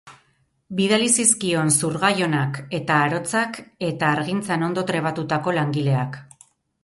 Bidali zizkion zurgai onak eta arotzak eta hargintzan ondo trebatutako langileak.